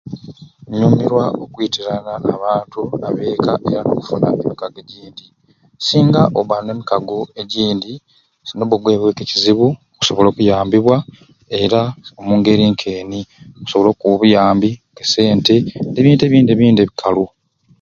Nyumirwa okwitirana abantu ab'eka yange n'okufuna emikago egindi singa obba n'emikago egindi nobba nga ogwibwibweku e kizibu okusobola okuyambibwa era omungeri nk'eni okusobola okkuwa onuyambi ke sente n'ebintu ebindi ebindi ebikalu